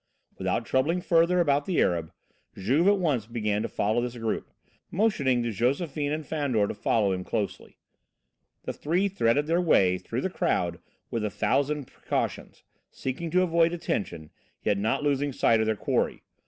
Without troubling further about the Arab, Juve at once began to follow this group, motioning to Josephine and Fandor to follow him closely. The three threaded their way through the crowd with a thousand precautions, seeking to avoid attention, yet not losing sight of their quarry.